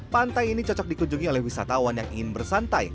pantai ini cocok dikunjungi oleh wisatawan yang ingin bersantai